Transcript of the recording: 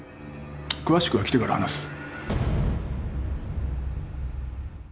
詳しくは来てから話す。